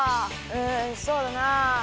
うんそうだな。